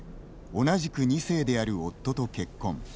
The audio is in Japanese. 同じく２世である夫と結婚。